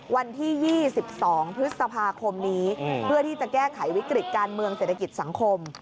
วันที่๒๒พฤษภาคมนี้เพื่อที่จะแก้ไขวิกฤติการเมืองเศรษฐกิจสังคม